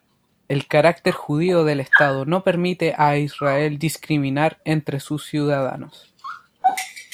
El carácter judío del Estado no permite a Israel discriminar entre sus ciudadanos".